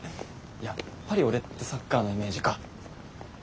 やっぱり俺ってサッカーのイメージか。